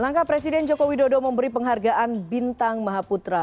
langkah presiden joko widodo memberi penghargaan bintang mahaputra